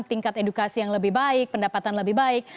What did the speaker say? tingkat edukasi yang lebih baik pendapatan lebih baik